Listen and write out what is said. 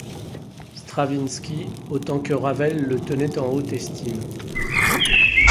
Stravinski autant que Ravel le tenait en haute estime.